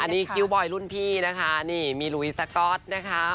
อันนี้คิ้วบอยรุ่นพี่นะคะนี่มีลุยสก๊อตนะคะ